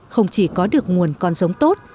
không chỉ có được nguồn con giống tốt